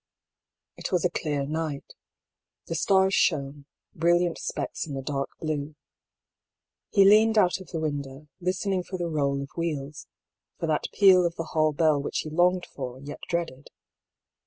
It was a clear night. The stars shone, brilliant specks in the dark blue. He leaned out of the window, listening for the roll of wheels — ^f or that peal of the hall bell which he longed for, yet dreaded.